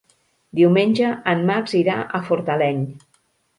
Diumenge en Max irà a Fortaleny.